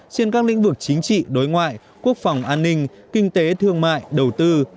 trên các lĩnh vực chính trị đối ngoại quốc phòng an ninh kinh tế thương mại đầu tư